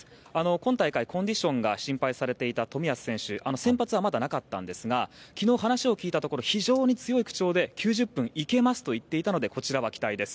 今大会、コンディションが心配されていた冨安選手先発はまだなかったんですが昨日、話を聞いたところ非常に強い口調で９０分いけますと言っていたのでこちらは期待です。